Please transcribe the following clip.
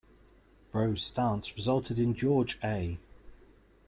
Rowe's stance resulted in George A.